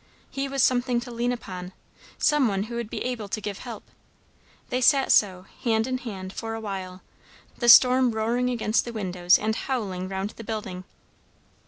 He was something to lean upon; some one who would be able to give help. They sat so, hand in hand, for a while, the storm roaring against the windows and howling round the building.